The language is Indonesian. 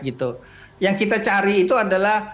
gitu yang kita cari itu adalah